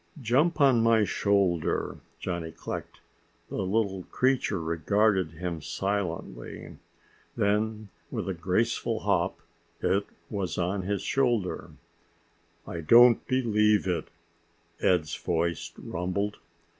"Jump on my shoulder," Johnny clicked. The little creature regarded him silently. Then, with a graceful hop, it was on his shoulder. "I don't believe it," Ed's voice rumbled.